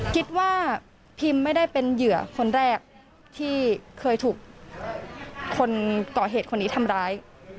คิดว่าพิมไม่ได้เป็นเหยื่อคนแรกที่เคยถูกคนก่อเหตุคนนี้ทำร้าย